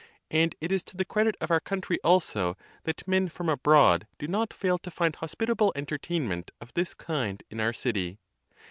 And it is to the credit of our country also that men from abroad do not fail to find hospitable entertainment of this kind in our city.